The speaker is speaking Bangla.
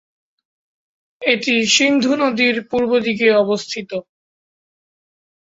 এটি সিন্ধু নদীর পূর্বদিকে অবস্থিত।